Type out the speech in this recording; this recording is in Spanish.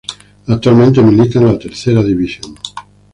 Actualmente milita en la Tercera División.